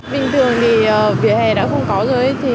bình thường thì vỉa hè đã không có rồi